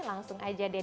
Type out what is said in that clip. langsung aja deh